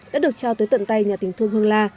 đã được trao tới tận tay nhà tình thương hương la